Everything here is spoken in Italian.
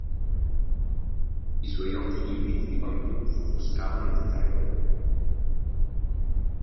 I suoi occhi limpidi di bambino s'offuscavano di terrore.